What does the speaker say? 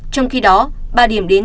trong khi đó ba điểm đến